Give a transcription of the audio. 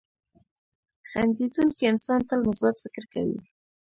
• خندېدونکی انسان تل مثبت فکر کوي.